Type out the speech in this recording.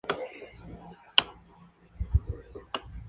Fue destruido por un temporal.